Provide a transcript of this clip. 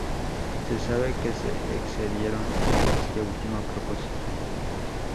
Se sabe que se excedieron en este último propósito.